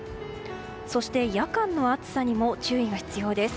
そして、夜間の暑さにも注意が必要です。